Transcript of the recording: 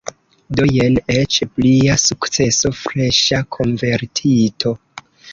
Do jen eĉ plia sukceso – freŝa konvertito!